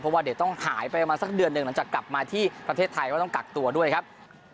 เพราะว่าเดี๋ยวต้องหายไปประมาณสักเดือนหนึ่งหลังจากกลับมาที่ประเทศไทยก็ต้องกักตัวด้วยครับ